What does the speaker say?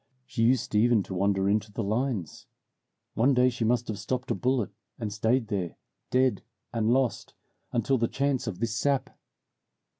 She used even to wander in the lines. One day she must have stopped a bullet, and stayed there, dead and lost, until the chance of this sap.